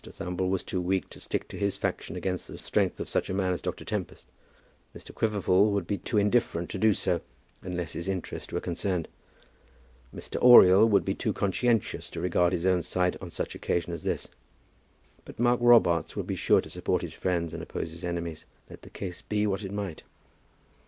Thumble was too weak to stick to his faction against the strength of such a man as Dr. Tempest. Mr. Quiverful would be too indifferent to do so, unless his interest were concerned. Mr. Oriel would be too conscientious to regard his own side on such an occasion as this. But Mark Robarts would be sure to support his friends and oppose his enemies, let the case be what it might.